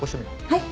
はい！